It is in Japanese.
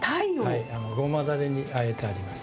ゴマだれに和えてあります。